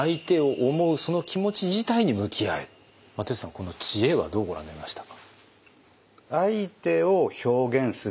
この知恵はどうご覧になりましたか？